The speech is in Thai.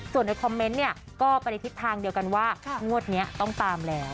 ส่วนในคอมเมนต์เนี่ยก็ไปในทิศทางเดียวกันว่างวดนี้ต้องตามแล้ว